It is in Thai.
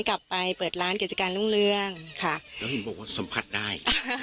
กลับไปเปิดร้านเกี่ยวกันเรื่องเรื่องค่ะแล้วถึงบอกว่าสัมพันธ์ได้